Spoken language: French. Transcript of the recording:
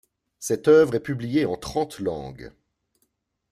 Cette œuvre est publiée en trente langues.